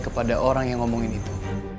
kepada orang yang ngomongin itu